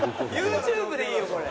ＹｏｕＴｕｂｅでいいよこれ。